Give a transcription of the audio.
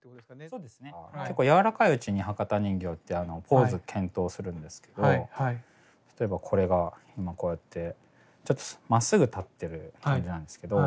結構柔らかいうちに博多人形ってポーズ検討するんですけど例えばこれが今こうやってちょっとまっすぐ立ってる感じなんですけど